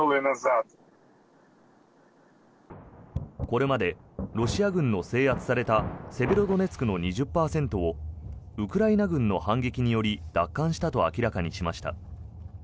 これまでロシア軍の制圧されたセベロドネツクの２０％をウクライナ軍の反撃により奪還したと明らかにしました。